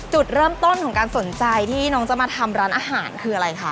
จุดเริ่มต้นของการสนใจที่น้องจะมาทำร้านอาหารคืออะไรคะ